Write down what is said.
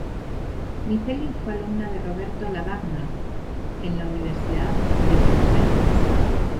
Miceli fue alumna de Roberto Lavagna en la Universidad de Buenos Aires.